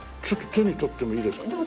ちょっと手に取ってもいいですか？